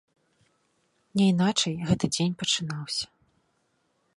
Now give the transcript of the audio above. Няйначай, гэта дзень пачынаўся.